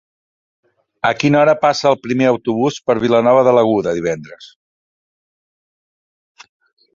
A quina hora passa el primer autobús per Vilanova de l'Aguda divendres?